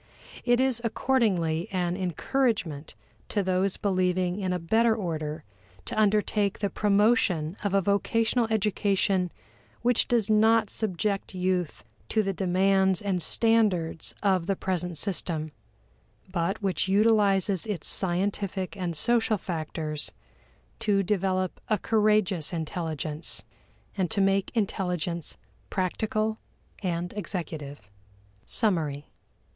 It is accordingly an encouragement to those believing in a better order to undertake the promotion of a vocational education which does not subject youth to the demands and standards of the present system, but which utilizes its scientific and social factors to develop a courageous intelligence, and to make intelligence practical and executive. Summary.